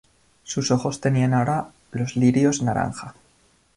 Sus ojos tenían ahora los lirios naranja.